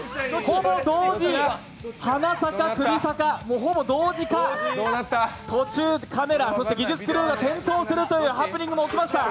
鼻差かクビ差か、ほぼ同時か、途中カメラ、そして技術クルーが転倒するというハプニングも起きました。